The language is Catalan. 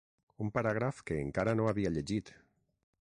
Un paràgraf que encara no havia llegit.